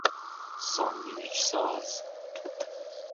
ساندویچساز